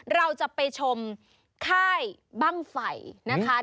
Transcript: เราจะไปชมค่ายบ้างไฟนะคะ